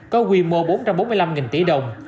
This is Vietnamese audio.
có quy mô bốn trăm bốn mươi năm tỷ đồng